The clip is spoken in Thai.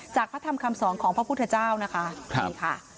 พระธรรมคำสอนของพระพุทธเจ้านะคะนี่ค่ะ